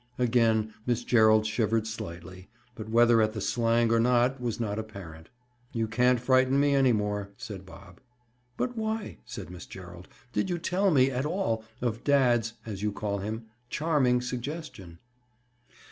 Again Miss Gerald shivered slightly, but whether at the slang or not, was not apparent. "You can't frighten me any more," said Bob. "But why," said Miss Gerald, "did you tell me, at all, of dad's—as you call him—charming suggestion?"